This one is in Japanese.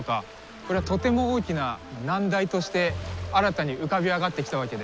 これはとても大きな難題として新たに浮かび上がってきたわけです。